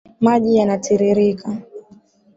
Maji yanatiririka .